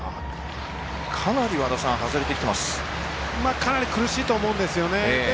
かなり苦しいと思うんですよね。